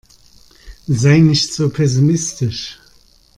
Sei nicht so pessimistisch.